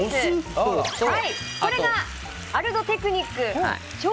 これがアルドテクニック。